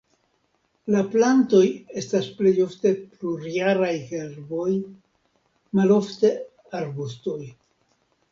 La plantoj estas plej ofte plurjaraj herboj, malofte arbustoj.